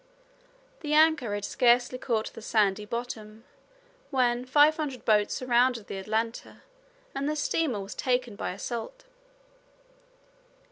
The anchor had scarcely caught the sandy bottom when five hundred boats surrounded the Atlanta, and the steamer was taken by assault.